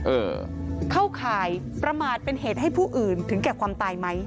เออเข้าข่ายประมาทเป็นเหตุให้ผู้อื่นถึงแก่ความตายไหม